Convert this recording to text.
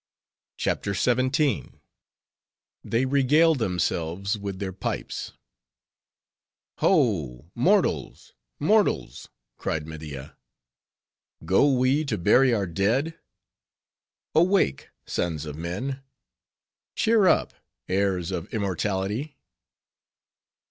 CHAPTER XVII. They Regale Themselves With Their Pipes "Ho! mortals! mortals!" cried Media. "Go we to bury our dead? Awake, sons of men! Cheer up, heirs of immortality!